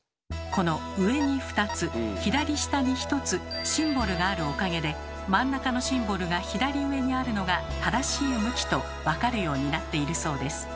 この上に２つ左下に１つシンボルがあるおかげで真ん中のシンボルが左上にあるのが正しい向きと分かるようになっているそうです。